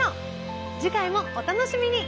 次回もお楽しみに。